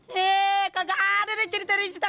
hei kagak ada deh cerita cerita